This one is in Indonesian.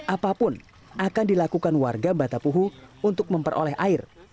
apapun akan dilakukan warga batapuhu untuk memperoleh air